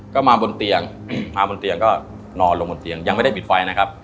ก็มาบนเตียงมาบนเตียงก็นอนลงบนเตียงยังไม่ได้ปิดไฟนะครับ